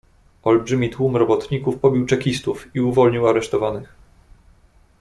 "Olbrzymi tłum robotników pobił czekistów i uwolnił aresztowanych."